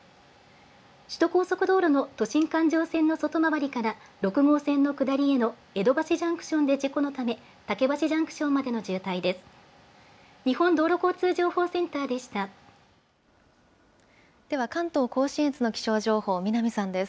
首都高速道路の都心環状線の外回りから、６号線の下りへの江戸橋ジャンクションで事故のため、竹橋ジャンクションまでの渋滞です。